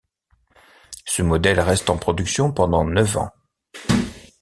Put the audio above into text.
Ce modèle reste en production pendant neuf ans.